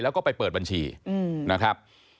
แล้วก็ไปเปิดบัญชีนะครับ